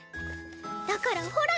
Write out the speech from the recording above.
だからほら